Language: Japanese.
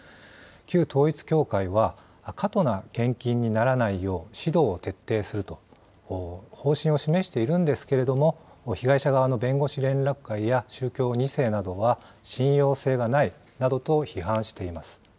旧統一教会は、過度な献金にならないよう、指導を徹底すると、方針を示しているんですけれども、被害者側の弁護士連絡会や、宗教２世などは、信用性がないなどと批判しています。